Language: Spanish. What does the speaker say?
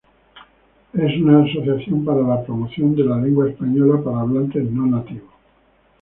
Es una asociación para la promoción de la lengua española para hablantes no nativos.